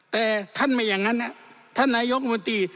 แต่ท่านไม่อย่างนั้นแหละ